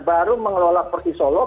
baru mengelola persisolog